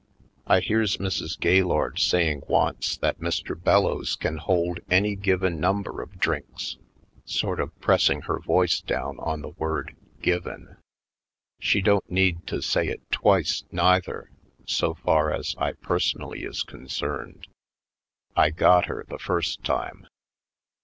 I hears Mrs. Gaylord saying once that Mr. 170 /. Poindexterj Colored Bellows can hold any given number of drinks, sort of pressing her voice down on the word ''given." She don't need to say it twice, neither, so far as I personally is concerned. I got her the first time.